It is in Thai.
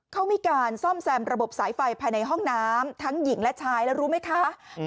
เขามีการซ่อมแซมระบบสายไฟภายในห้องน้ำทั้งหญิงและชายแล้วรู้ไหมคะ